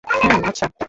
হুম, আচ্ছা।